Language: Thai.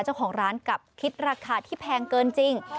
เจ้าของร้านกลับคิดราคาที่แพงเกินจริง